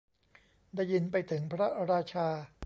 ได้ยินไปถึงพระราชา